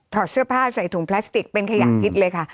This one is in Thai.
ถอดเสื้อผ้าใส่ถุงพลาสติกเป็นขยะพิษเลยค่ะ